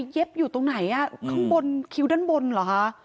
เย็บอยู่ตรงไหนอ่ะข้างบนคิ้วด้านบนหรอคะ